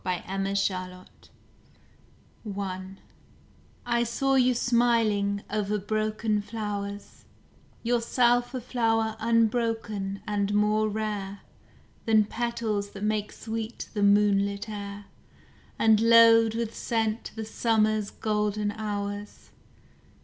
SONNETS: 1913 1914 I I saw you smiling over broken flowers, Yourself a flower unbroken and more rare Than petals that make sweet the moonlit air, And load with scent the Summer's golden hours.